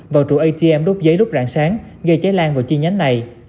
vào trụ atm đốt giấy lúc rạng sáng gây cháy lan vào chi nhánh này